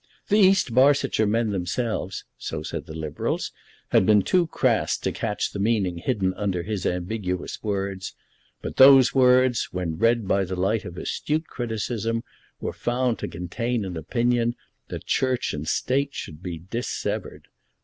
The East Barsetshire men themselves, so said the Liberals, had been too crass to catch the meaning hidden under his ambiguous words; but those words, when read by the light of astute criticism, were found to contain an opinion that Church and State should be dissevered.